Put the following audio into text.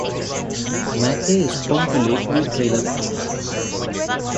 Mackey is home to Lakeview Trailer Park.